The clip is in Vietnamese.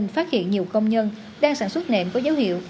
phát hiện nhiều công nhân đang sản xuất nệm có dấu hiệu